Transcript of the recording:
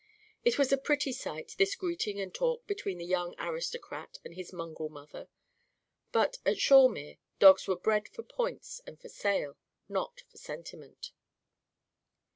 It was a pretty sight, this greeting and talk between the young aristocrat and his mongrel mother. But, at Shawemere, dogs were bred for points and for sale; not for sentiment.